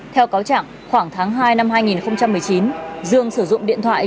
theo cáo chẳng khoảng tháng hai năm hai nghìn một mươi chín dương sử dụng điện thoại